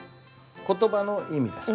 「言葉の意味」です。